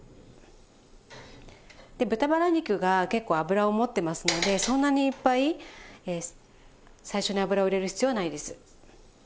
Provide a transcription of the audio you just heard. で豚バラ肉が結構脂を持ってますのでそんなにいっぱい最初に油を入れる必要はないです。